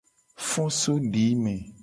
Fo so dime.